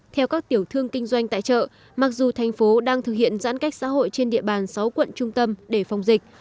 theo các tiểu thương kinh doanh tại chợ mặc dù thành phố đang thực hiện giãn cách xã hội trên địa bàn sáu quận trung tâm để phòng dịch